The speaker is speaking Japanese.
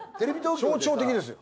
象徴的ですよ。